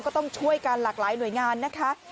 ก็ต้องช่วยกันหลากหลายหน่วยงานนะคะ